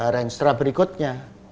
range terakhir berikutnya